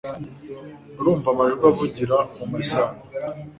urumva amajwi avugira mumashyamba